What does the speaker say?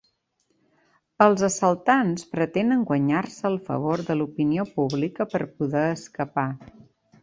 Els assaltants pretenen guanyar-se el favor de l'opinió pública per poder escapar.